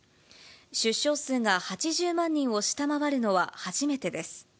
出生数が８０万人を下回るのは初めてです。